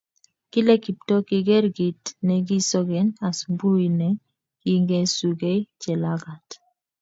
kile Kiptoo kigeer kit nekisoken asubui ne kiigeesukei Jelagat